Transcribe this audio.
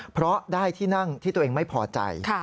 เพราะได้ที่นั่งที่ตัวเองไม่พอใจ